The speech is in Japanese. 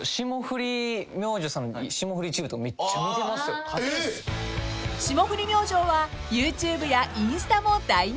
［霜降り明星はＹｏｕＴｕｂｅやインスタも大人気］